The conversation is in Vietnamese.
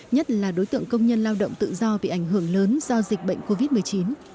nhất là đối tượng công nhân lao động tự do bị ảnh hưởng lớn do dịch bệnh covid một mươi chín